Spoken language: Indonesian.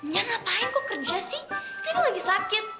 ya ngapain kok kerja sih dia kok lagi sakit